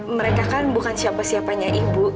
mereka kan bukan siapa siapanya ibu